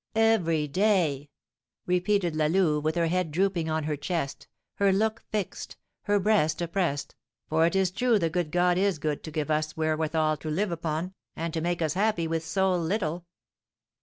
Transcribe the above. "Every day!" repeated La Louve, with her head drooping on her chest, her look fixed, her breast oppressed, "for it is true the good God is good to give us wherewithal to live upon, and to make us happy with so little."